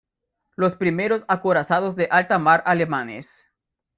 Los primeros acorazados de alta mar alemanes.